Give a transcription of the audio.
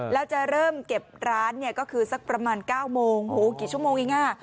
แล้วจะเริ่มเก็บร้านเนี่ยก็คือสักประมาณ๙โมงโหกี่ชั่วโมงเองอ่ะ